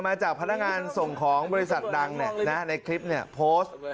มาจากพนักงานส่งของบริษัทดังในคลิปโพสต์